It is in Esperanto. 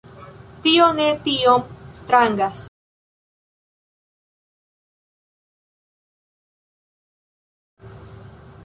Tio ne tiom strangas.